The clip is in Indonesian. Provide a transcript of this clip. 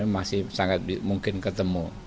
masih sangat mungkin ketemu